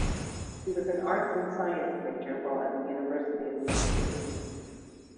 He was an arts and science major while at the University of Tennessee.